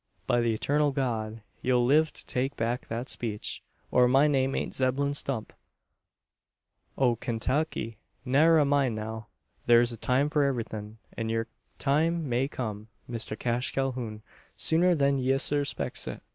By the eturnal God! ye'll live to take back that speech, or my name aint Zeblun Stump, o' Kaintucky. Ne'er a mind now; thur's a time for everythin', an yur time may come, Mister Cash Calhoun, sooner than ye surspecks it."